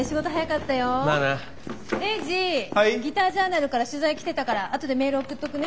ギタージャーナルから取材きてたからあとでメール送っとくね。